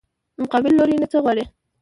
مقابل لوري نه څه غواړې؟